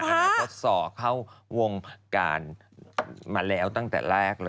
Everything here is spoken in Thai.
อนาคตส่อเข้าวงการมาแล้วตั้งแต่แรกเลย